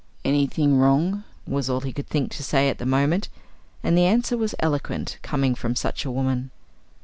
"Anything wrong?" was all he could think of to say at the moment. And the answer was eloquent, coming from such a woman.